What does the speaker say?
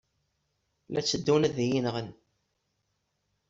La tteddun ad iyi-nɣen.